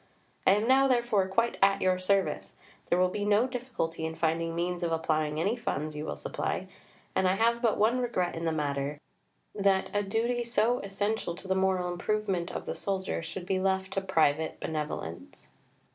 I am now therefore quite at your service.... There will be no difficulty in finding means of applying any funds you will supply, and I have but one regret in the matter, viz. that a duty so essential to the moral improvement of the soldier should be left to private benevolence.